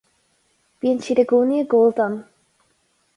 Bíonn siad i gcónaí ag gabháil dom.